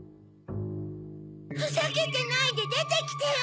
ふざけてないででてきてよ